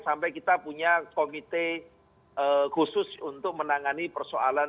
sampai kita punya komite khusus untuk menangani persoalan